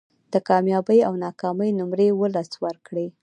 د کامیابۍ او ناکامۍ نمرې ولس ورکړي